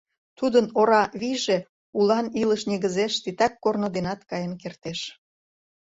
Тудын ора вийже улан илыш негызеш титак корно денат каен кертеш.